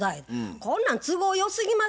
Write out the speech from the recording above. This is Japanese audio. こんなん都合よすぎますやんか。